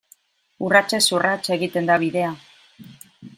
Urratsez urrats egiten da bidea.